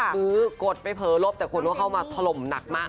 คือกดไปเผ้อลบแต่คนรู้เข้ามาทะลมหนักมาก